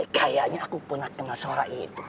kayaknya aku pernah kenal seorang itu